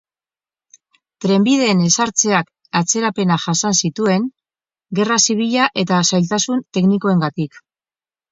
Trenbideen ezartzeak atzerapenak jasan zituen, gerra zibila eta zailtasun teknikoengatik.